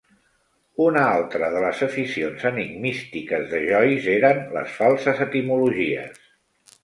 Una altra de les aficions enigmístiques de Joyce eren les falses etimologies.